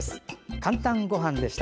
「かんたんごはん」でした。